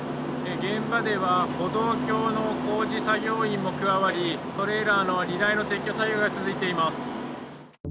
現場では歩道橋の工事作業員も加わりトレーラーの荷台の撤去作業が続いています。